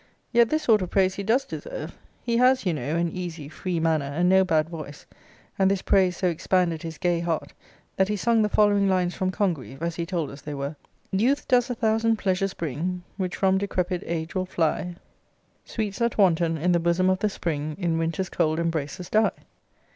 Yet this sort of praise he does deserve. He has, you know, an easy free manner, and no bad voice: and this praise so expanded his gay heart, that he sung the following lines from Congreve, as he told us they were: Youth does a thousand pleasures bring, Which from decrepid age will fly; Sweets that wanton in the bosom of the spring, In winter's cold embraces die.